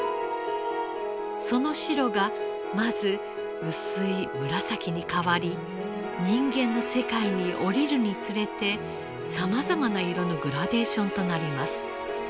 その白がまず薄い紫に変わり人間の世界に降りるにつれてさまざまな色のグラデーションとなります。